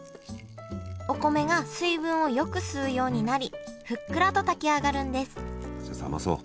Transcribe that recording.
お米が水分をよく吸うようになりふっくらと炊き上がるんですじゃあ冷まそう。